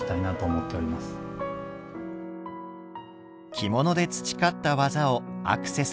着物で培った技をアクセサリーに。